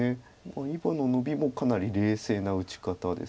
今のノビもかなり冷静な打ち方です。